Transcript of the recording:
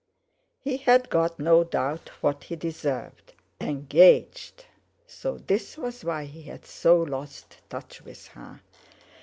He had got, no doubt, what he deserved. Engaged! So this was why he had so lost touch with her!